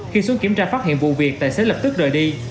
khi xuống kiểm tra phát hiện vụ việc tài xế lập tức rời đi